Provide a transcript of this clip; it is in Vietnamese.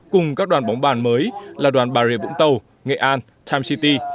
cùng các đoàn bóng bàn mới là đoàn barrier vũng tàu nghệ an time city